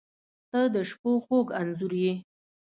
• ته د شپو خوږ انځور یې.